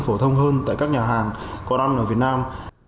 phổ thông hơn tại các nhà hàng có ăn ở việt nam